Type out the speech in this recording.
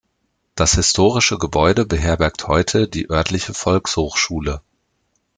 Das historische Gebäude beherbergt heute die örtliche Volkshochschule.